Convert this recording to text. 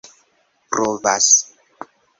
provas